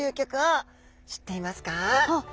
あっ